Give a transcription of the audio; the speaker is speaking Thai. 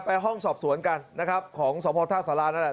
ไปห้องสอบสวนกันนะครับของสมภาพธาตุษฎราณนั่นแหละ